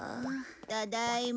ただいま。